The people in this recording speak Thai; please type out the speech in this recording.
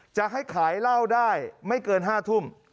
จะให้ขายเหล้าได้ไม่เกิน๕ทุ่ม